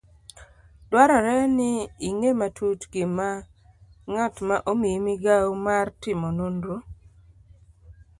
Dwarore ni ing'e matut gima ng'at ma omiyi migawo mar timo nonro